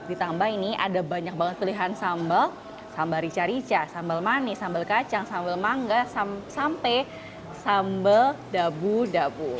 ditambah ini ada banyak banget pilihan sambal sambal rica rica sambal manis sambal kacang sambal mangga sampai sambal dabu dabu